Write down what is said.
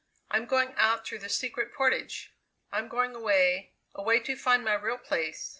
I'm going out through the Secret Portage. I'm going away, away to find my real place.